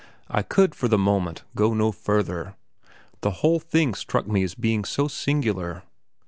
I could, for the moment, go no further; the whole thing struck me as being so singular.